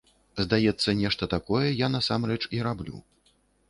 Здаецца, нешта такое я насамрэч і раблю.